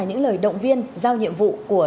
những lời động viên giao nhiệm vụ của